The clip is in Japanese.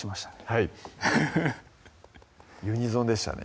はいユニゾンでしたね